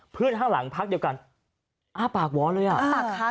เพื่อนห้างหลังพักเดียวกันอ้าวปากว้อนเลยอ่ะ